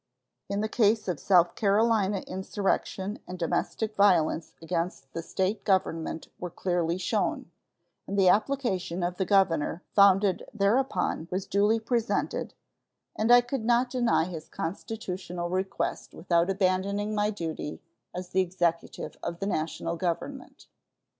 In the case of South Carolina insurrection and domestic violence against the State government were clearly shown, and the application of the governor founded thereon was duly presented, and I could not deny his constitutional request without abandoning my duty as the Executive of the National Government.